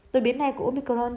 đột biến này của omicron